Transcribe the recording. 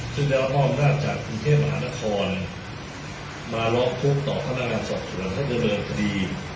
ซึ่งได้รอบนัดจากคุณเทพหานครมารอบทุกข์ต่อพนักงานศักดิ์ศรัทธิบันทดี